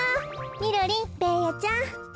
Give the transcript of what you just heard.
みろりんベーヤちゃん。